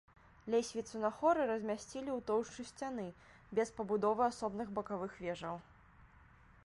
Лесвіцу на хоры размясцілі ў тоўшчы сцяны без пабудовы асобных бакавых вежаў.